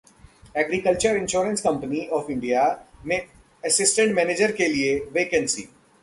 agriculture insurance company of India में assistant manager के लिए वैकेंसी